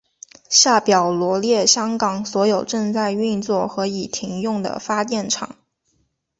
下表罗列香港所有正在运作和已停用的发电厂。